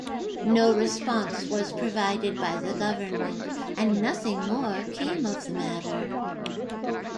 No response was provided by the government, and nothing more came of the matter.